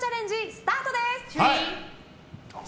スタートです。